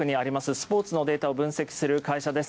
スポーツのデータを分析する会社です。